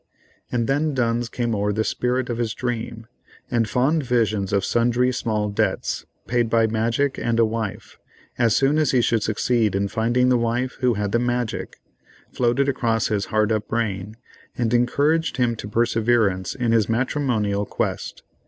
And then duns came o'er the spirit of his dream, and fond visions of sundry small debts, paid by magic and a wife, as soon as he should succeed in finding the wife who had the magic, floated across his hard up brain, and encouraged him to perseverance in his matrimonial quest.